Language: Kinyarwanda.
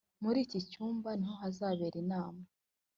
muri iki cyumba niho hazabera inama.